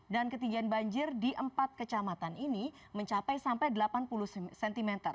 dan ketinggian banjir di empat kecamatan ini mencapai sampai delapan puluh cm